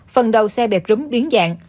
phần đầu xe bẹp rúm biến dạng